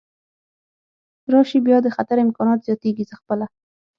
راشي، بیا د خطر امکانات زیاتېږي، زه خپله.